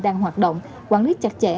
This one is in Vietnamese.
đang hoạt động quản lý chặt chẽ